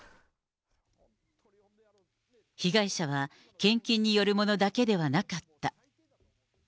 被害者は献金によるものだけではなかった。